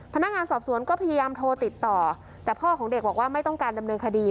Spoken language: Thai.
พนักงานสอบสวนก็พยายามโทรติดต่อแต่พ่อของเด็กบอกว่าไม่ต้องการดำเนินคดี